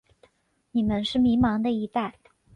你们是迷惘的一代。